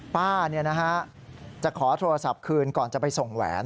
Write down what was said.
ป้าจะขอโทรศัพท์คืนก่อนจะไปส่งแหวน